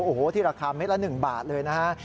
โอ้โหที่ราคาเม็ดละ๑บาทเลยนะฮะ